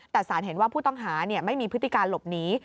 แต่สารเห็นว่าผู้ต้องหาไม่มีพฤติการหลบหนี